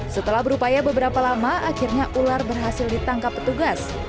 setelah berupaya beberapa lama akhirnya ular berhasil ditangkap petugas